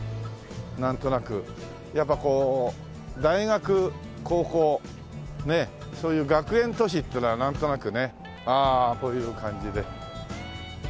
なんとなくやっぱこう大学高校そういう学園都市っていうのはなんとなくねああという感じで。